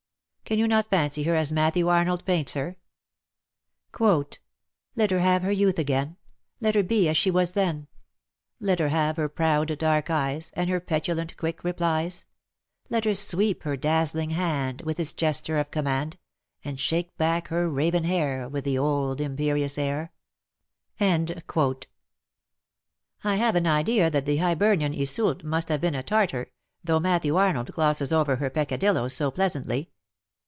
Can you not fancy her as Matthew Arnold paints her ?—" Let her have her youth again — Let her be as she was then ! Let her have her proud dark eyes, And her petulant, quick replies : Let her sweep her dazzling hand, With its gesture of command, And shake back her raven hair With the old imperious air. I have an idea that the Hibernian Isenlt must have been a tartar, though Matthew Arnold glosses over her peccadilloes so pleasantly.